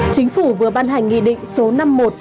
chính phủ vừa ban hành nghị định số năm mươi một